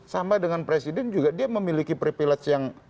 sama dengan presiden juga dia memiliki privilege yang